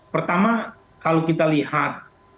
pertama kalau kita lihat